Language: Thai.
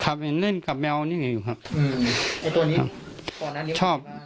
ครับเล่นกับแมวนี่อยู่ครับ